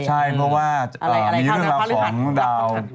ใช่เพราะว่ามีเรื่องราวของดาว